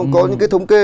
có những cái thống kê